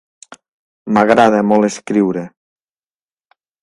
M'agrada molt escriure.